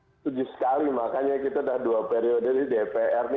setuju sekali makanya kita udah dua periode di dpr nih